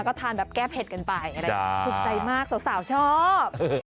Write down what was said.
ก็ทานแบบแก้เผ็ดกันไปอะไรถูกใจมากสาวชอบ